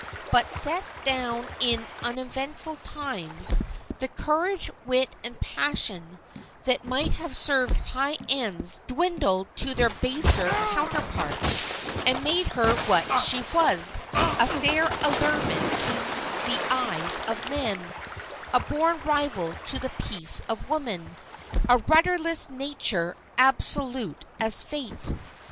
But set down in uneventful times, the courage, wit, and passion that might have served high ends dwindled to their baser counterparts, and made her what she was, a fair allurement to the eyes of men, a born rival to the peace of women, a rudderless nature absolute as fate.